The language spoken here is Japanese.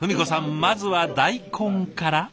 まずは大根から。